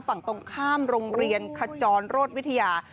ฝั่งตรงข้ามโรงเรียนขจรโรศวิทยา